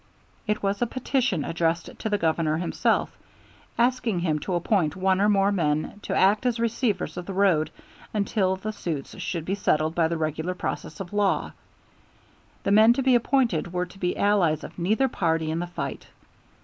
It was a petition addressed to the Governor himself, asking him to appoint one or more men to act as receivers of the road until the suits should be settled by the regular process of law. The men to be appointed were to be allies of neither party in the fight.